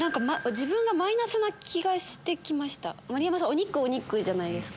お肉お肉じゃないですか。